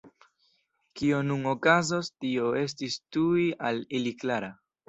Kio nun okazos, tio estis tuj al ili klara.